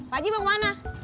pak ji mau ke mana